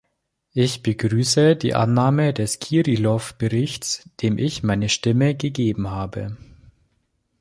Ich begrüße die Annahme des Kirilov-Berichts, dem ich meine Stimme gegeben habe.